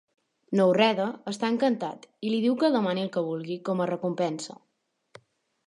Nouredda està encantat i li diu que demani el que vulgui com a recompensa.